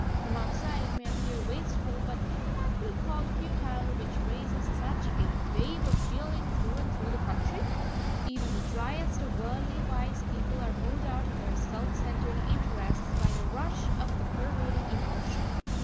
From outside it may appear wasteful, but can that be called futile which raises such a wave of feeling through and through the country? Even the driest of worldly wise people are moved out of their self centred interests by the rush of the pervading emotion.